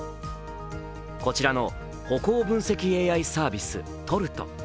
こちらの歩行分析ＡＩサービストルト。